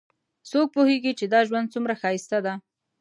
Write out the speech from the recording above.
څوک پوهیږي چې دا ژوند څومره ښایسته ده